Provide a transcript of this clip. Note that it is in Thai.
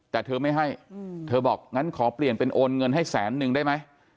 แต่เธอไม่ให้เธอบอกงั้นขอเปลี่ยนเป็นโอนเงินให้แสนนึงได้ไหม